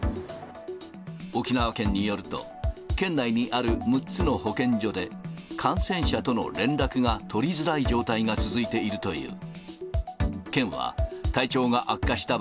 沖縄県によると、県内にある６つの保健所で、感染者との連絡が取りづらい状態が続いているという。